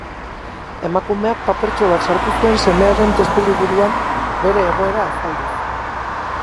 Emakumeak papertxo bat sartu zuen semearen testu liburuan bere egoera azalduz.